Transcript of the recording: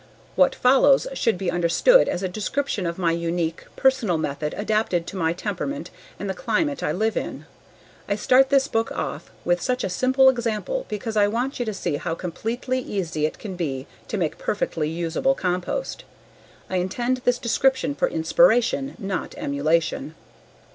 What follows should be understood as a description of my unique, personal method adapted to my temperament and the climate I live in. I start this book off with such a simple example because I want you to see how completely easy it can be to make perfectly usable compost. I intend this description for inspiration, not emulation.